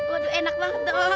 waduh enak banget